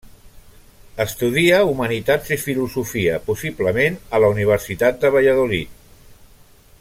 Estudia Humanitats i Filosofia, possiblement a la universitat de Valladolid.